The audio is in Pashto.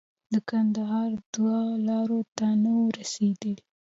کندهار دوه لارې ته نه وو رسېدلي.